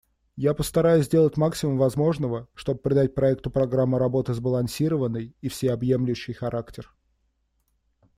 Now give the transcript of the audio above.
Я постараюсь сделать максимум возможного, чтобы придать проекту программы работы сбалансированный и всеобъемлющий характер.